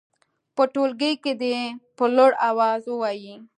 په ټولګي کې دې په لوړ اواز ووايي.